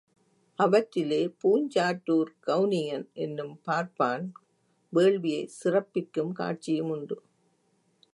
அவற்றிலே பூஞ்சாற்றூர்க் கௌணியன் என்னும் பார்ப்பான் வேள்வியைச் சிறப்பிக்கும் காட்சியுமுண்டு.